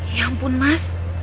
ya ampun mas